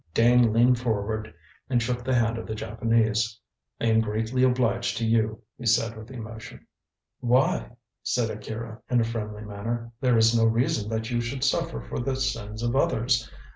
Dane leaned forward and shook the hand of the Japanese. "I am greatly obliged to you," he said with emotion. "Why," said Akira, in a friendly manner, "there is no reason that you should suffer for the sins of others.